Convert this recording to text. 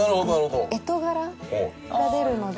干支柄が出るので。